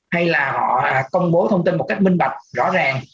hay là họ công bố thông tin một cách minh bạch rõ ràng